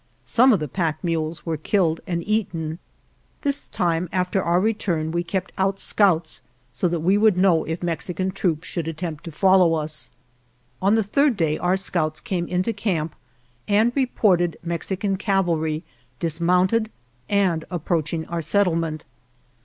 Some of the pack mules were killed and eaten. This time after our return we kept out scouts so that we would know if Mexican troops should attempt to follow us. On the third day our scouts came into camp and reported Mexican cavalry dismounted and approaching our settlement.